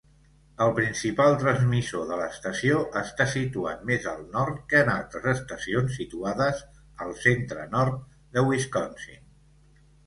El principal transmissor de l"estació està situat més al nord que en altres estacions situades al centre nord de Wisconsin.